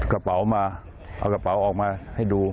กระเป๋ามาเอากระเป๋าออกมาให้ดู